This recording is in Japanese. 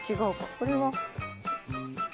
これは。